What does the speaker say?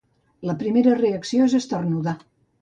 La primera reacció és esternudar.